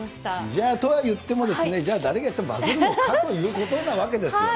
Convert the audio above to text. じゃあ、とはいっても、じゃあ、誰がやってもバズるのかっていうことなわけですよね。